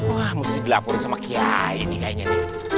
wah mesti dilaporin sama kiai nih kayaknya nih